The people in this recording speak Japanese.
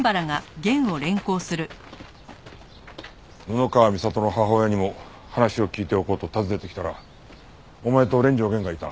布川美里の母親にも話を聞いておこうと訪ねてきたらお前と連城源がいた。